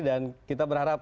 dan kita berharap